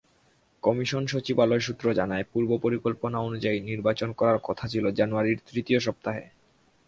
Commission সচিবালয় সূত্র জানায়, পূর্বপরিকল্পনা অনুযায়ী নির্বাচন করার কথা ছিল জানুয়ারির তৃতীয় সপ্তাহে।